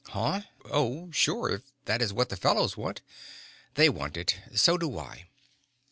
"Huh? Oh, sure, if that is what the fellows want." "They want it. So do I."